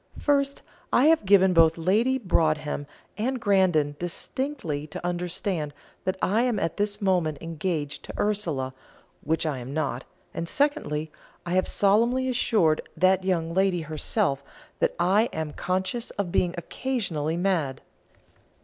First, I have given both Lady Broadhem and Grandon distinctly to understand that I am at this moment engaged to Ursula, which I am not; and secondly, I have solemnly assured that young lady herself that I am conscious of being occasionally mad."